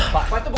pak pak pak